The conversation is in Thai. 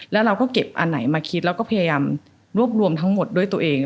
แล้วเราก็เก็บอันไหนมาคิดแล้วก็พยายามรวบรวมทั้งหมดด้วยตัวเอง